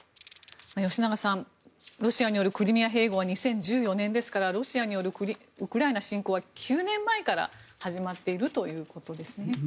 吉永さん、ロシアによるクリミア併合は２０１４年ですからロシアによるウクライナ侵攻は９年前から始まっているということですね。